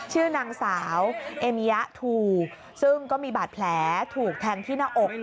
ชื่อนางสาวเอมิยะทูซึ่งก็มีบาดแผลถูกแทงที่หน้าอก